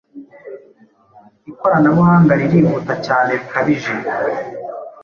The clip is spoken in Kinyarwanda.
Ikoranabuhanga ririhuta cyane bikabije